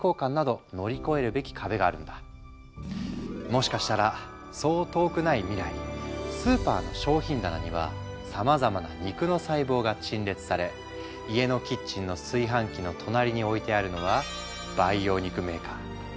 もしかしたらそう遠くない未来スーパーの商品棚にはさまざまな肉の細胞が陳列され家のキッチンの炊飯器の隣に置いてあるのは培養肉メーカー。